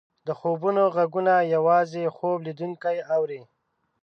د خوبونو ږغونه یوازې خوب لیدونکی اوري.